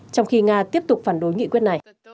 trong khi nga tiếp tục phản đối nghị quyết này